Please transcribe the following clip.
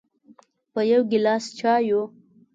په یو ګیلاس چایو